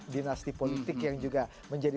dinasti politik yang juga menjadi